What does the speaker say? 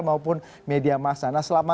maupun media massa nah selama